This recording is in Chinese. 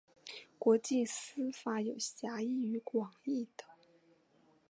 国际私法有狭义与广义的。